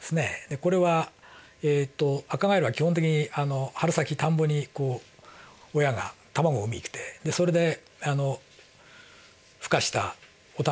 これはえっとアカガエルは基本的に春先田んぼに親が卵を産みに来てそれでふ化したオタマジャクシですね。